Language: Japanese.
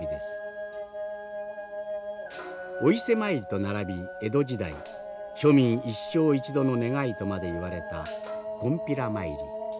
お伊勢参りと並び江戸時代庶民一生一度の願いとまでいわれたこんぴら詣り。